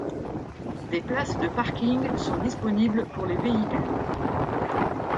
Des places de parking sont disponibles pour les véhicules.